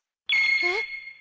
えっ。